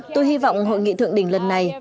tôi hy vọng hội nghị thượng đỉnh lần này